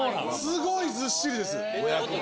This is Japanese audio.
すごいずっしりです。